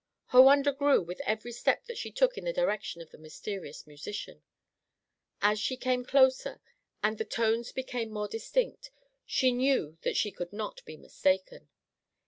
Her wonder grew with every step that she took in the direction of the mysterious musician. As she came closer, and the tones became more distinct, she knew that she could not be mistaken.